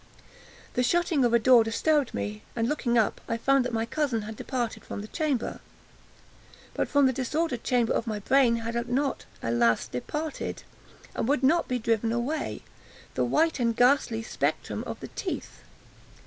The shutting of a door disturbed me, and, looking up, I found that my cousin had departed from the chamber. But from the disordered chamber of my brain, had not, alas! departed, and would not be driven away, the white and ghastly spectrum of the teeth.